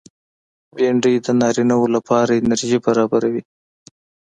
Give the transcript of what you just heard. بېنډۍ د نارینه و لپاره انرژي برابروي